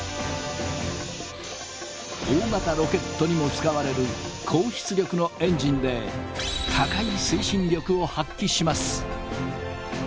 大型ロケットにも使われる高出力のエンジンで高い推進力を発揮します。